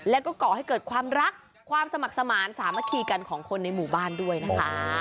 แล้วก็ก่อให้เกิดความรักความสมัครสมานสามัคคีกันของคนในหมู่บ้านด้วยนะคะ